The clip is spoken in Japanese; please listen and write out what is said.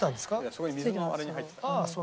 そこに水のあれに入ってた。